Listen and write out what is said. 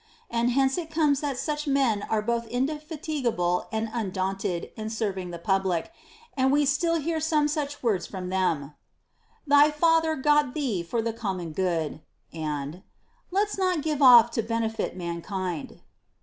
And hence it comes that such men are both indefatigable and undaunted in serving the public, and we still hear some such words from them : Thy father got thee for the common good ; and Let's not give off to benefit mankind.